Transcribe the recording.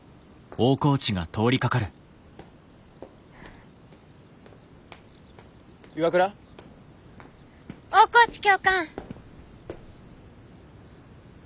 大河内教官。